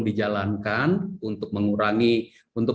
dijalankan untuk mengurangi untuk